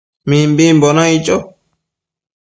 Mimbimbo naic cho